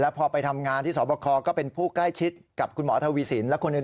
พอไปทำงานที่สวบคก็เป็นผู้ใกล้ชิดกับคุณหมอทวีสินและคนอื่น